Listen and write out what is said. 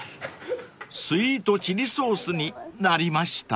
［スイートチリソースになりました？］